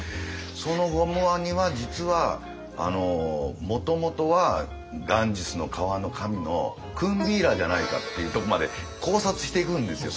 そのゴムワニは実はもともとはガンジスの川の神のクンビーラじゃないかっていうとこまで考察していくんですよ。